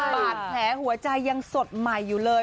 บาดแผลหัวใจยังสดใหม่อยู่เลย